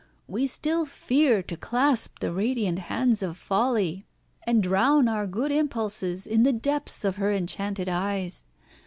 We still fear to clasp the radiant hands of folly, and drown our good impulses in the depths of her enchanted eyes.